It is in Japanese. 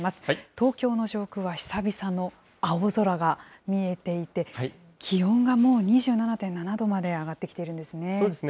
東京の上空は久々の青空が見えていて、気温がもう２７．７度まで上がってきているんですね。